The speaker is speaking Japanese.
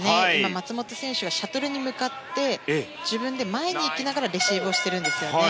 松本選手がシャトルに向かって自分で前に行きながらレシーブをしているんですよね。